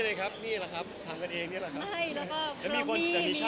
ไม่ใช่ค่ะแต่เราก็ทำคุมไม่ได้นะคะ